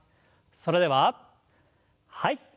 それでははい。